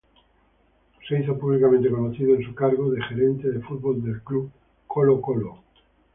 Se hizo públicamente conocido en su cargo de Gerente de Fútbol del Club Colo-Colo.